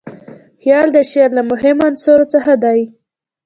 خیال د شعر له مهمو عنصرو څخه دئ.